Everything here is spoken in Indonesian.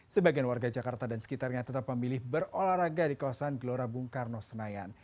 sebagian warga jakarta dan sekitarnya tetap memilih berolahraga di kawasan gelora bung karno senayan